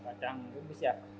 seperti kacang rebus ya